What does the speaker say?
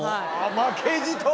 負けじと！